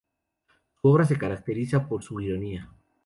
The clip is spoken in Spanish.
Su obra se caracteriza por su ironía.